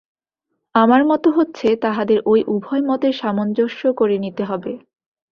আমার মত হচ্ছে তাঁহাদের ঐ উভয় মতের সামঞ্জস্য করে নিতে হবে।